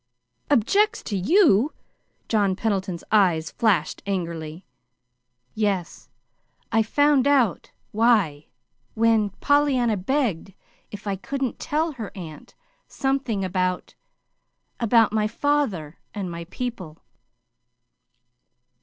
"OBJECTS to YOU!" John Pendleton's eyes flashed angrily. "Yes. I found out why when when Pollyanna begged if I couldn't tell her aunt something about about my father and my people."